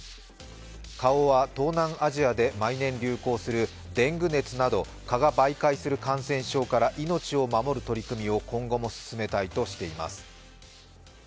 花王は東南アジアで毎年流行する、デング熱など蚊が媒介する感染症から命を守る取り組みを今後も進めたいとしています。